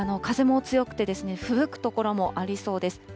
風も強くて、ふぶく所もありそうです。